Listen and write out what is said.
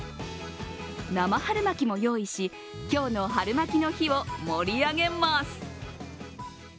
生春巻きも用意し、今日の春巻きの日を盛り上げます。